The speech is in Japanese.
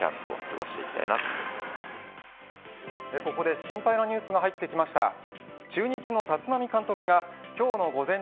ここで心配なニュースが入ってきました。